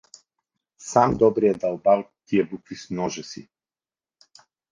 Сам Добри е дълбал тия букви с ножа си.